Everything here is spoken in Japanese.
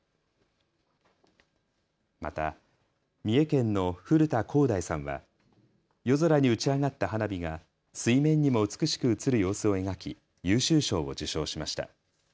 また、三重県の古田紘大さんは夜空に打ち上がった花火が水面にも美しく映る様子を描き優秀賞を受賞しました。